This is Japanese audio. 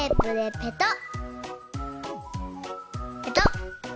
ペトッ。